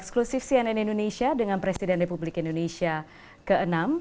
eksklusif cnn indonesia dengan presiden republik indonesia ke enam